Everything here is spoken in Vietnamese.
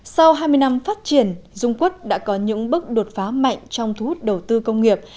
sau hai mươi năm phát triển dung quốc đã có những bước đột phá mạnh trong thu hút đầu tư công nghiệp